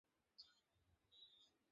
তুমি এটার কী নাম দিয়েছ?